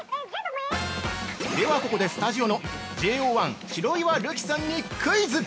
◆ではここで、スタジオのＪＯ１・白岩瑠姫さんにクイズ！